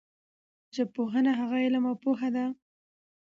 ژبپوهنه هغه علم او پوهه ده